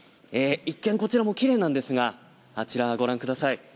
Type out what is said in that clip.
一見、こちらも奇麗なんですがあちら、ご覧ください。